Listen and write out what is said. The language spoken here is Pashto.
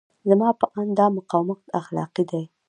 زما په اند دا مقاومت اخلاقي دی.